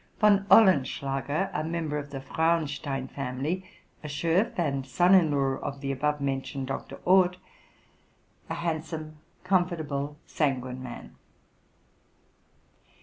Von Olenschlager, a member of the Frauenstein family, a Schoff, and son in law of the above mentioned Dr. Orth. 2 handsome, comfortable, sanguine man.